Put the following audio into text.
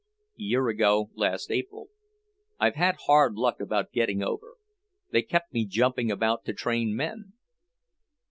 "Year ago last April. I've had hard luck about getting over. They kept me jumping about to train men."